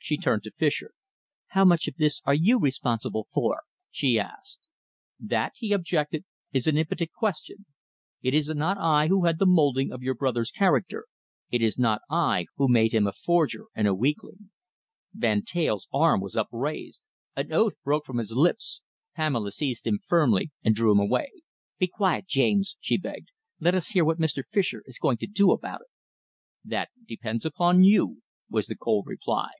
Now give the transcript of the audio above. She turned to Fischer. "How much of this are you responsible for?" she asked. "That," he objected, "is an impotent question. It is not I who had the moulding of your brother's character. It is not I who made him a forger and a weakling." Van Teyl's arm was upraised. An oath broke from his lips. Pamela seized him firmly and drew him away. "Be quiet, James," she begged. "Let us hear what Mr. Fischer is going to do about it." "That depends upon you," was the cold reply.